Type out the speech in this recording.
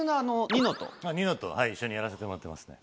ニノと一緒にやらせてもらってますね。